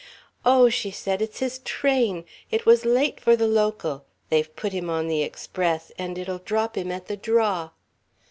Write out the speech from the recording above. "Oh," she said, "it's his train. It was late for the Local. They've put him on the Express, and it'll drop him at the draw."